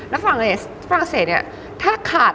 แล้วฝรั่งเศสถ้าขาด